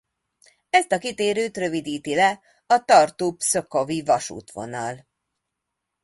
Ezt a kitérőt rövidíti le a Tartu–Pszkovi-vasútvonal.